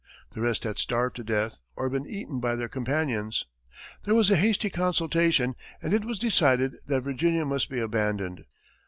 The rest had starved to death or been eaten by their companions! There was a hasty consultation, and it was decided that Virginia must be abandoned.